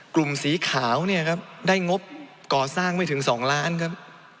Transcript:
กลุ่มสีขาวเนี่ยครับได้งบก่อสร้างไม่ถึง๒ล้านครับ